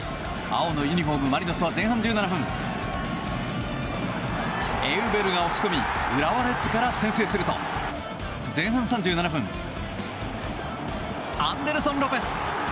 青のユニホーム、マリノスは前半１７分エウベルが押し込み浦和レッズから先制すると前半３７分アンデルソン・ロペス！